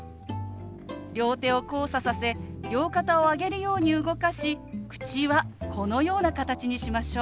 両手を交差させ両肩を上げるように動かし口はこのような形にしましょう。